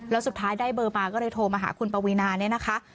แล้วสุดท้ายได้เบอร์มาก็เลยโทรมาหาคุณปวีนาเนี่ยนะคะ